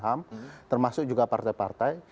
ham termasuk juga partai partai